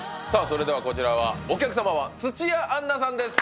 それではこちらはお客様は土屋アンナさんです